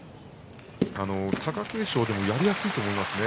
貴景勝、やりやすいと思いますよ。